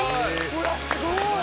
うわっすごい！